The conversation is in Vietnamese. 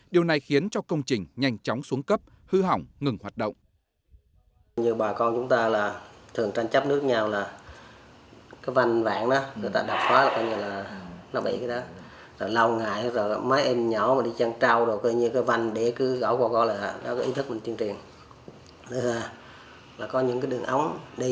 điều này khiến cho công trình nhanh chóng xuống cấp hư hỏng ngừng hoạt động